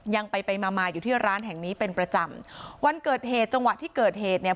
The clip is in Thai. ยังไปไปมามาอยู่ที่ร้านแห่งนี้เป็นประจำวันเกิดเหตุจังหวะที่เกิดเหตุเนี่ย